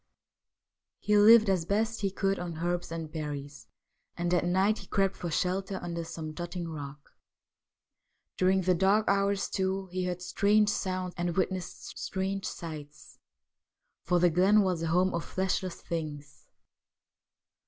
He lived as best he could on herbs and berries, and at night he crept for shelter under some jutting rock. During the dark hours, too, he heard strange sounds and witnessed strange sights, for the glen was the home of ' fleshless things.'